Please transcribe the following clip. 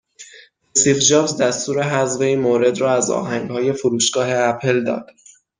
استیو جابز دستور حذف این مورد را از آهنگهای فروشگاه اپل داد